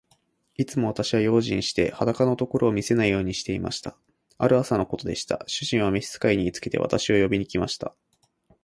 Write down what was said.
いつも私は用心して、裸のところを見せないようにしていました。ある朝のことでした。主人は召使に言いつけて、私を呼びに来ました。